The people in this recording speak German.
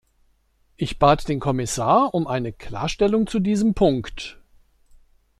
Ich bat den Kommissar um eine Klarstellung zu diesem Punkt.